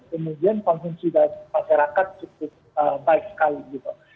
kemudian konsumsi dari masyarakat cukup baik sekali gitu